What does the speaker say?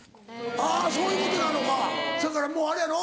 あそういうことなのかせやからもうあれやろ。